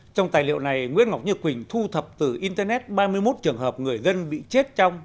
trong tài liệu này nguyễn ngọc như quỳnh thu thập từ internet ba mươi một trường hợp người dân bị chết trong